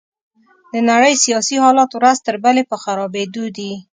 د نړۍ سياسي حالات ورځ تر بلې په خرابيدو دي.